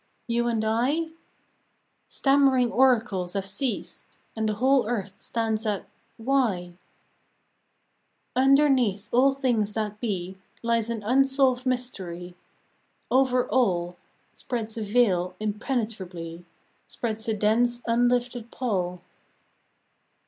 You and I ? Stammering Oracles have ceased, And the whole earth stands at " Why ?" Underneath all things that be Lies an unsolved mystery : Over all Spreads a veil impenetrably, Spreads a dense unlifted pall.